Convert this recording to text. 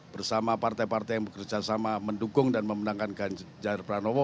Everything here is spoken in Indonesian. bersama partai partai yang bekerjasama mendukung dan memenangkan ganjar panowo